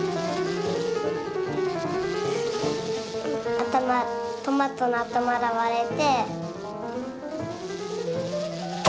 あたまトマトのあたまがわれて。